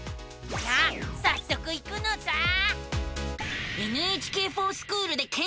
さあさっそく行くのさあ。